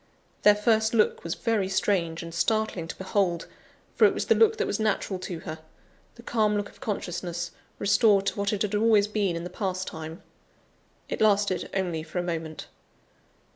Their first look was very strange and startling to behold; for it was the look that was natural to her; the calm look of consciousness, restored to what it had always been in the past time. It lasted only for a moment.